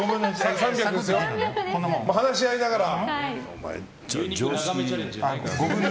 話し合いながら。